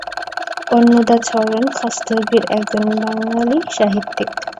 অন্নদাচরণ খাস্তগীর একজন বাঙালি সাহিত্যিক।